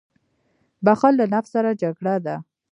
• بښل له نفس سره جګړه ده.